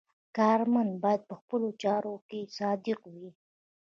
کارمند باید په خپلو چارو کې صادق وي.